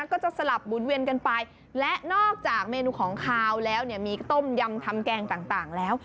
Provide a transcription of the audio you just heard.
ก็จะสลับหมุนเวียนกันไปและนอกจากเมนูของขาวแล้วเนี่ยมีต้มยำทำแกงต่างแล้ว